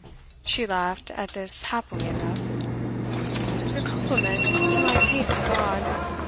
She laughed at this happily enough. "Your compliment to my taste is odd.